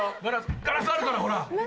ガラスあるからほら。